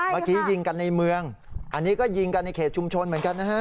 เมื่อกี้ยิงกันในเมืองอันนี้ก็ยิงกันในเขตชุมชนเหมือนกันนะฮะ